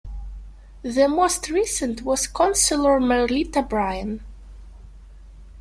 The most recent was Councillor Merlita Bryan.